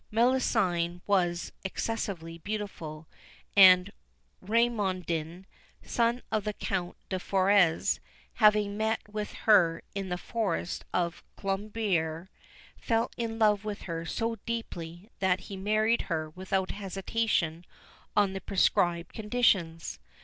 Melusine was excessively beautiful, and Raimondin, son of the Count de Forez, having met with her in the forest of Colombiers, fell in love with her so deeply that he married her without hesitation on the prescribed conditions.